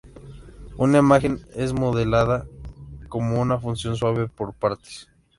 Una imagen es modelada como una función suave por partes.